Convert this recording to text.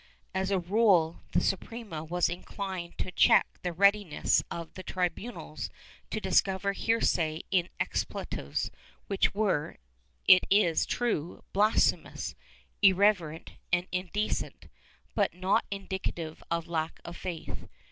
As a rule, the Suprema was inclined to check the readiness of the tribunals to discover heresy in expletives which were, it is true, blasphemous, irreverent and indecent, but not indicative of lack of faith.